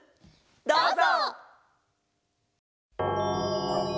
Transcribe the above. どうぞ！